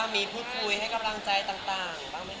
มีพูดพูดให้กำลังใจต่างมั้ยครับ